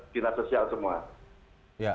dinas sosial semua